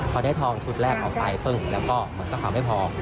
พอได้ทองชุดแรกเขาไปปึ้งแล้วก็มันก็ทำไม่พอ